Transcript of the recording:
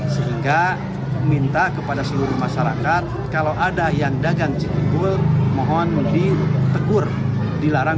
sehingga minta kepada seluruh masyarakat kalau ada yang dagang cikibul mohon di tegur dilarang